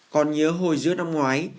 còn nhớ hồi giữa năm ngoái